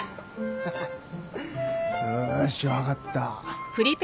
ハハッよーし分かった。